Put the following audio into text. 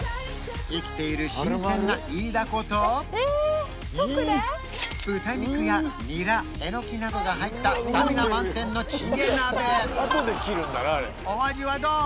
生きている新鮮なイイダコと豚肉やニラエノキなどが入ったスタミナ満点のチゲ鍋お味はどう？